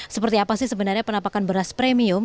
seperti apa sih sebenarnya penampakan beras premium